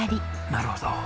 なるほど。